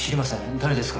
誰ですか？